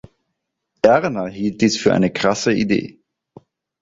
Erna hielt dies für eine „krasse“ Idee.